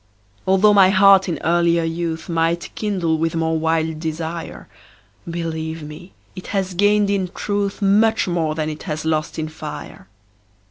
Altho' my heart in earlier youth Might kindle with more wild desire, Believe me, it has gained in truth Much more than it has lost in fire.